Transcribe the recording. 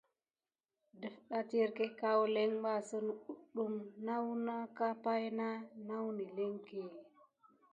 Dəfɗa étirké kaoulin bà sine kume nà wuna ka pay nà nane kilenké.